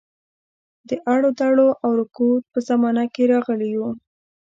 د اړودوړ او رکود په زمانه کې راغلی وو.